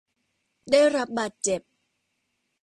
ได้รับบาดเจ็บ